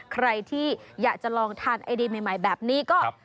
ใครที่อยากจะลองทานไอดีใหม่แบบนี้ก็